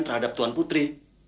terhadap tuhan putri